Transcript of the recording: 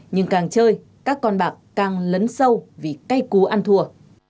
nhưng càng chơi các con bạc càng lấn sâu vì cây cú ăn thùa